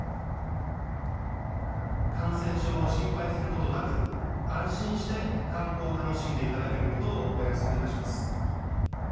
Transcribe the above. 感染症を心配することなく、安心して観光を楽しんでいただけることを、お約束いたします。